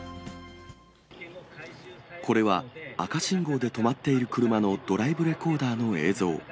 これは赤信号で止まっている車のドライブレコーダーの映像。